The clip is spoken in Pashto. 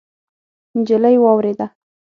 نجلۍ واورېده.